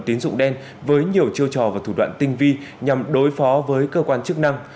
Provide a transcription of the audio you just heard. tín dụng đen với nhiều chiêu trò và thủ đoạn tinh vi nhằm đối phó với cơ quan chức năng